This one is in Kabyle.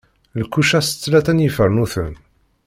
Lkuca s tlata n yifarnuten.